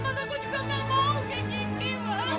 karena aku juga gak mau kayak gini mas